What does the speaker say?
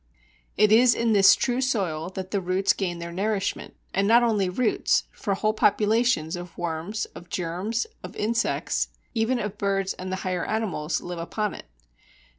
It is in this true soil that the roots gain their nourishment, and not only roots, for whole populations of worms, of germs, of insects, even of birds and the higher animals, live upon it.